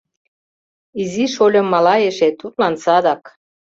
Изи шольо мала эше, тудлан садак.